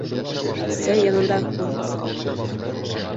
Сәй янында һүҙ сыға.